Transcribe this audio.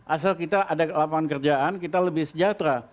asal kita ada lapangan kerjaan kita lebih sejahtera